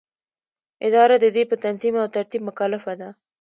اداره د دې په تنظیم او ترتیب مکلفه ده.